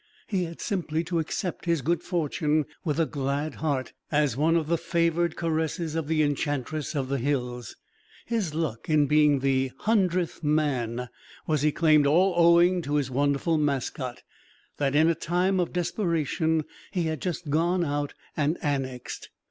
He had simply to accept his good fortune with a glad heart, as one of the favored caresses of the Enchantress of the Hills. His luck in being the "hundredth man" was, he claimed, all owing to his wonderful mascot, that in a time of desperation he had just gone out and annexed.